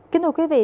kính thưa quý vị